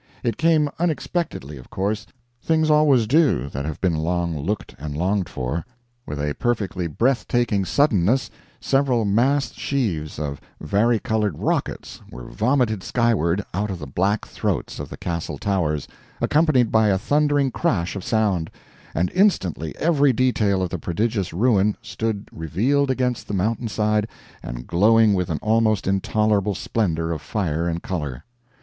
It came unexpectedly, of course things always do, that have been long looked and longed for. With a perfectly breath taking suddenness several mast sheaves of varicolored rockets were vomited skyward out of the black throats of the Castle towers, accompanied by a thundering crash of sound, and instantly every detail of the prodigious ruin stood revealed against the mountainside and glowing with an almost intolerable splendor of fire and color.